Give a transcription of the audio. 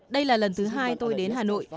đây là lần thứ hai tôi đến hà nội